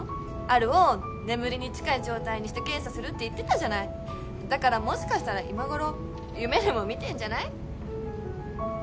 アルを眠りに近い状態にして検査するって言ってたじゃないだからもしかしたら今頃夢でも見てんじゃない？